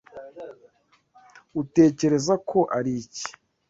Utekereza ko ari iki?